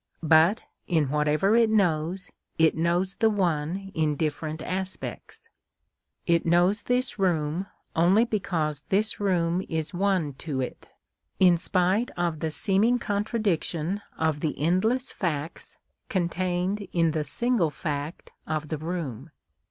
But, in whatever it knows, it knows the One in different aspects. It knows this room only because this room is One to it, in spite of the seeming contradiction of the endless facts contained in the single fact of the room.